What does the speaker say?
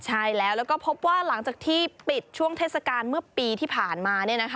ใช่แล้วแล้วก็พบว่าหลังจากที่ปิดช่วงเทศกาลเมื่อปีที่ผ่านมา